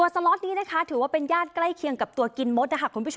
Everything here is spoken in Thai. สล็อตนี้ถือว่าเป็นญาติใกล้เคียงกับตัวกินมด